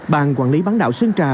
bàn quản lý bán đảo sơn trà